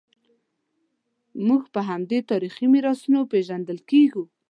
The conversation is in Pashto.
موږ په همدې تاریخي میراثونو پېژندل کېږو.